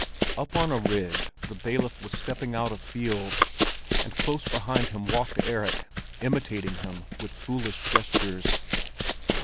Up on a ridge the bailiff was stepping out a field, and close behind him walked Erik, imitating him with foolish gestures.